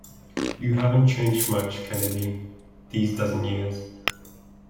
You haven't changed much, Kennedy, these dozen years.